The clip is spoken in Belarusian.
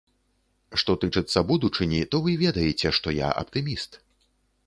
Што тычыцца будучыні, то вы ведаеце, што я аптыміст.